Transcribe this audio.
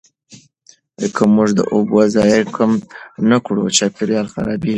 که موږ د اوبو ضایع کم نه کړو، چاپیریال خرابېږي.